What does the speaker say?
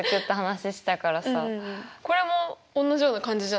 これもおんなじような感じじゃない？